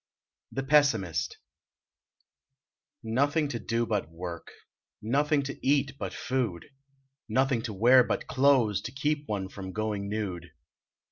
THE PESSIMIST Nothing to do but work, Nothing to eat but food, Nothing to wear but clothes To keep one from going nude.